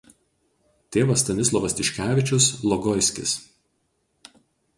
Tėvas Stanislovas Tiškevičius Logoiskis.